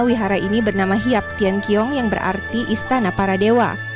wihara ini bernama hiap tian kiong yang berarti istana para dewa